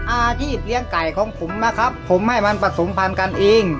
อาชีพเลี้ยงไก่ของผมนะครับผมให้มันผสมพันธุ์กันเอง